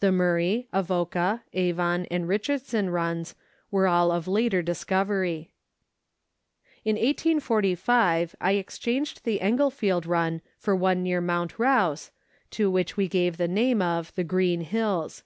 The Murray, Avoca, Avon, and Richardson runs were all of later discovery. In 1845 I exchanged the Englefield run for one near Mount Rouse, to which we gave the name of " The Green Hills."